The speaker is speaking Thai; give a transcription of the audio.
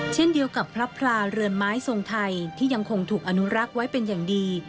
เช่นเดียวกับพระพลาเรือนไม้ทรงไทยที่ยังคงถูกอนุรักษ์ไว้เป็นอย่างดี